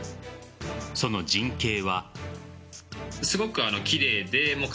その陣形は。